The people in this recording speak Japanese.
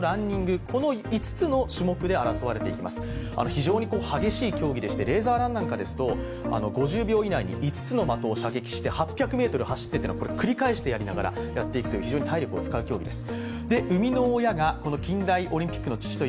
非常に激しい競技でして、レーザーランだと５０秒以内に５つの的を射撃して８００ｍ走るというのを繰り返してやっていくという、非常に体力を使う競技です。